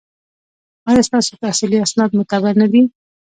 ایا ستاسو تحصیلي اسناد معتبر نه دي؟